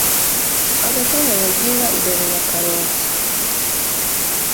aka kanya nkubwira dore na karoti